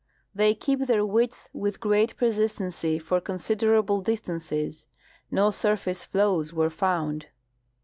They keep their width with great persistency for considerable distances. No surface flows were found.